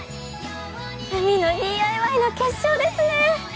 海のＤＩＹの結晶ですね。